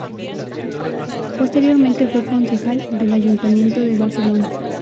Posteriormente fue concejal del ayuntamiento de Barcelona.